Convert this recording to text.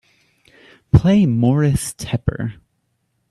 Play Moris Tepper